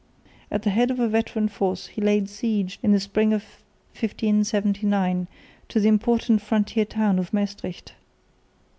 At the head of a veteran force he laid siege in the spring of 1579 to the important frontier town of Maestricht.